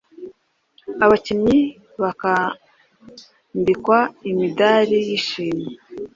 abakinnyi bakambikwa imidari y’ishimwe.